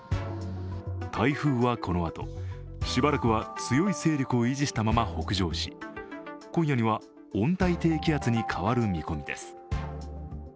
台風はこのあと、しばらくは強い勢力を維持したまま北上し今夜には、温帯低気圧に変わる見込みです。